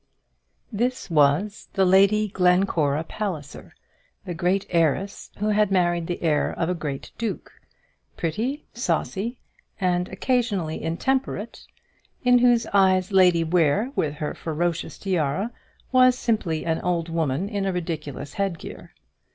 This was the Lady Glencora Palliser, the great heiress who had married the heir of a great duke, pretty, saucy, and occasionally intemperate, in whose eyes Lady Ware with her ferocious tiara was simply an old woman in a ridiculous head gear.